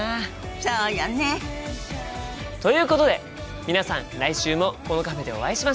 そうよね。ということで皆さん来週もこのカフェでお会いしましょう！